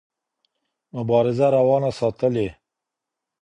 مبارزه روانه ساتلې.